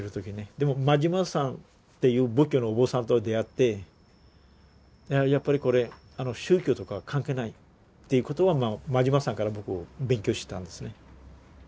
でも馬島さんっていう仏教のお坊さんと出会ってやっぱりこれ宗教とか関係ないっていうことは馬島さんから僕勉強したんですね。